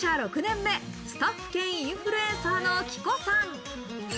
入社６年目スタッフ兼インフルエンサーのＫＩＫＯさん。